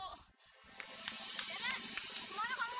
iya teh kemana kamu